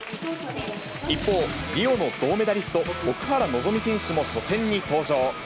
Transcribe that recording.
一方、リオの銅メダリスト、奥原希望選手も初戦に登場。